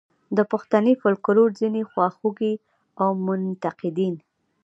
د پښتني فوکلور ځینې خواخوږي او منتقدین.